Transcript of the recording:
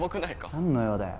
何の用だよ？